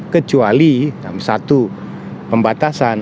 kecuali satu pembatasan